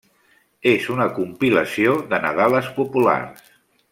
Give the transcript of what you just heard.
És una compilació de nadales populars.